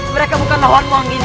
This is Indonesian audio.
mereka bukan lawanmu hagi ini